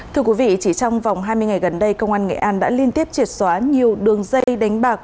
thưa quý vị chỉ trong vòng hai mươi ngày gần đây công an nghệ an đã liên tiếp triệt xóa nhiều đường dây đánh bạc